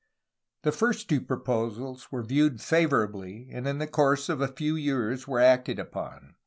The first two proposals were viewed favor ably, and in course of a few years were acted upon.